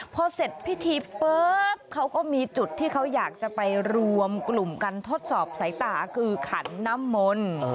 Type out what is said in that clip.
พอเสร็จพิธีปุ๊บเขาก็มีจุดที่เขาอยากจะไปรวมกลุ่มกันทดสอบสายตาคือขันน้ำมนต์